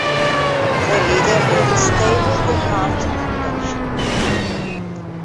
Fue líder del Stable The Hart Foundation.